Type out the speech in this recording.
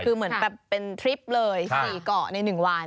คือเหมือนแบบเป็นทริปเลย๔เกาะใน๑วัน